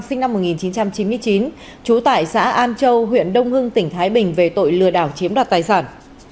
sinh năm một nghìn chín trăm chín mươi chín trú tại xã an châu huyện đông hưng tỉnh thái bình về tội lừa đảo chiếm đoạt tài sản